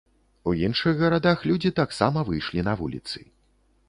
У іншых гарадах людзі таксама выйшлі на вуліцы.